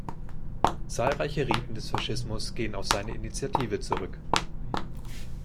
Zahlreiche Riten des Faschismus gehen auf seine Initiative zurück.